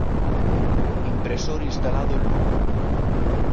Impresor instalado en Lugo.